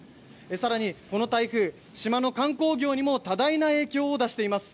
更にこの台風、島の観光業にも多大な影響を出しています。